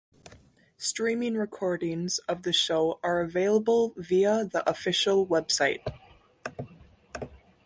Streaming recordings of the show are available via the official web site.